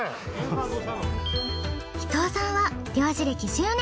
伊藤さんは漁師歴１０年。